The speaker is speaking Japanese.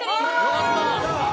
よかった！